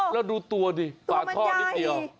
แล้วดูตัวดิฝาท่อนิดเดียวตัวมันยาก